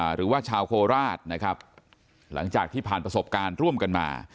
หรือว่าชาวโคราชนะครับหลังจากที่ผ่านประสบการณ์ร่วมกันมา